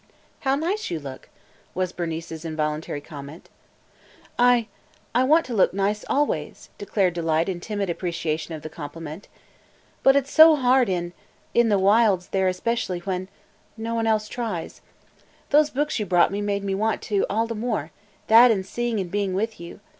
"How nice you look!" was Bernice's involuntary comment. "I – I want to look nice – always!" declared Delight in timid appreciation of the compliment. "But it 's so hard in – in the wilds there especially when – no one else tries. Those books you brought me made me want to all the more – that and seeing and being with you.